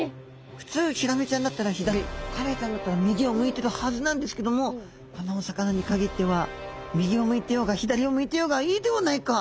普通ヒラメちゃんだったら左カレイちゃんだったら右を向いてるはずなんですけどもこのお魚に限っては右を向いてようが左を向いていようがいいではないか。